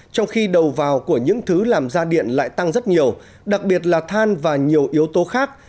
trong khi đầu vào của những thứ làm ra điện lại tăng rất nhiều đặc biệt là than và nhiều yếu tố khác